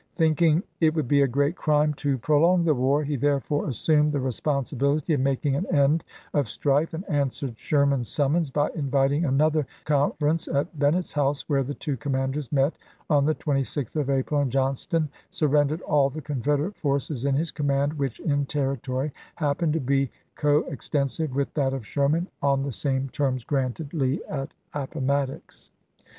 Thinking " it would be a great crime to prolong the war," he therefore assumed the respon sibility of making an end of strife, and answered Sherman's summons by inviting another confer ence at Bennett's house, where the two commanders met on the 26th of April, and Johnston surrendered all the Confederate forces in his command, which in territory happened to be coextensive with that of Sherman, on the same terms granted Lee at Appomattox.